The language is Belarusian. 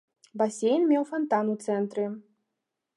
Басейн меў фантан у цэнтры.